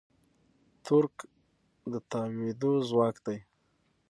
تورک د تاوېدو ځواک دی.